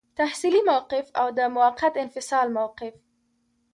تحصیلي موقف او د موقت انفصال موقف.